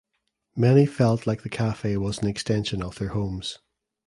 Many felt like the cafe was an extension of their homes.